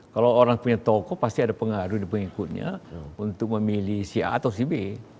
kalau orang punya tokoh pasti ada pengaruh di pengikutnya untuk memilih si a atau si b